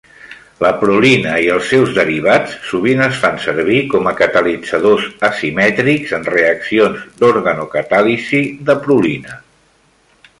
La prolina i els seus derivats sovint es fan servir com a catalitzadors asimètrics en reaccions d'organocatàlisi de prolina.